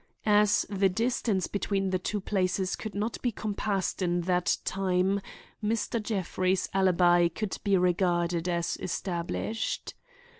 As the distance between the two places could not be compassed in that time, Mr. Jeffrey's alibi could be regarded as established.